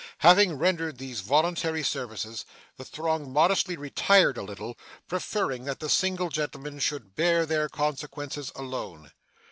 Having rendered these voluntary services, the throng modestly retired a little, preferring that the single gentleman should bear their consequences alone.